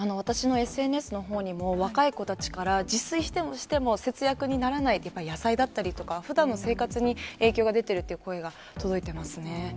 私のＳＮＳのほうにも、若い子たちから、自炊してもしても節約にならないって、野菜だったりとか、ふだんの生活に影響が出ているって声が届いてますね。